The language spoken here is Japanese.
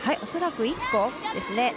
恐らく１個ですね。